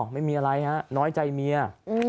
ไม่มีอะไรฮะน้อยใจเมีย